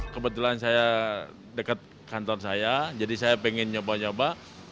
kebetulan saya dekat kantor saya jadi saya pengen nyoba nyoba